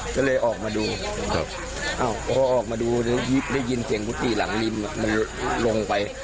ก็เลยออกมาดูพอออกมาดูได้ยินเสียงกุฏิหลังริมมันลงไป